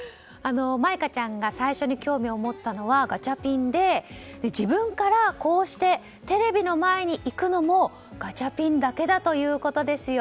舞香ちゃんが最初に興味を持ったのはガチャピンで自分からこうしてテレビの前に行くのもガチャピンだけということですよ。